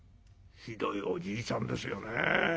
ひどいおじいちゃんですよね。